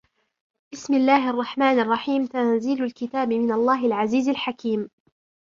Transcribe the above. بِسْمِ اللَّهِ الرَّحْمَنِ الرَّحِيمِ تَنْزِيلُ الْكِتَابِ مِنَ اللَّهِ الْعَزِيزِ الْحَكِيمِ